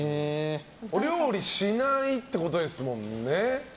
お料理しないってことですもんね。